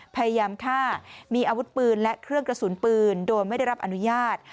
พยายามฆ่ามีอาวุธปืนและเครื่องกระสุนปืนโดยไม่ได้รับอนุญาต